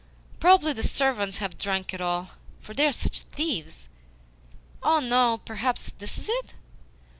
Probably the servants have drunk it all, for they are such thieves. Oh no: perhaps this is it!"